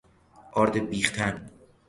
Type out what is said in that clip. آرد بیختن